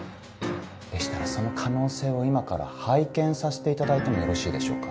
でしたらその可能性を今から拝見させていただいてもよろしいでしょうか？